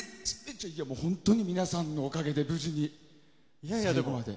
もう本当に皆さんのおかげで無事に最後まで。